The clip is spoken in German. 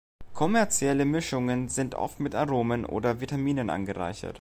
Kommerzielle Mischungen sind oft mit Aromen oder Vitaminen angereichert.